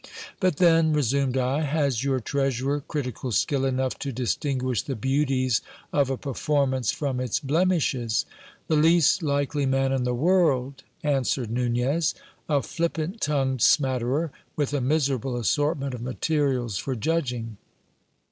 But then, resumed I, has your treasurer critical skill enough to distinguish the beauties of a performance from its blemishes ? The least likely man in the world, answered Nunez : a flippant tongued smatterer, with a miserable assortment of materials for judging.